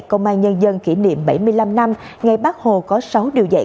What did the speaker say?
công an nhân dân kỷ niệm bảy mươi năm năm ngày bác hồ có sáu điều dạy